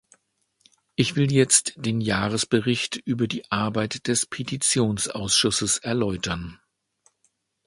Ich will jetzt den Jahresbericht über die Arbeit des Petitionsausschusses erläutern.